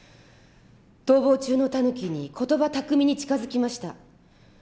逃亡中のタヌキに言葉巧みに近づきました。